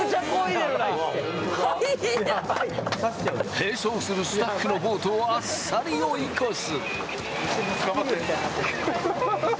併走するスタッフのボートをあっさり追い越す。